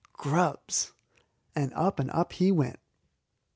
grubs! and up and up he went.